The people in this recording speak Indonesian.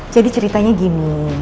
jadi ceritanya gini